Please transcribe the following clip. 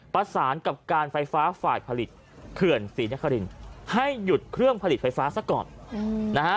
ประสานกับการไฟฟ้าฝ่ายผลิตเขื่อนศรีนครินให้หยุดเครื่องผลิตไฟฟ้าซะก่อนนะฮะ